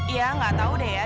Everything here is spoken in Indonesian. ya gak tau deh ya